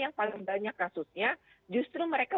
yang paling banyak kasusnya justru mereka